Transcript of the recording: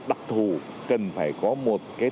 đặc thù cần phải có một cái